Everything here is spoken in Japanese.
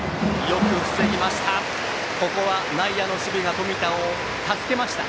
よく防ぎました。